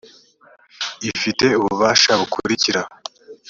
provensi ifite ububasha bukurikira